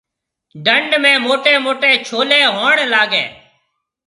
ڊنڍ ۾ موٽيَ موٽَي ڇولَي ھوئڻ لاگَي۔